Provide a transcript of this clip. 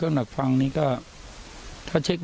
ลุงพลบอกว่าอันนี้ก็ไม่เกี่ยวข้องกันเพราะจะให้มันจบกันไป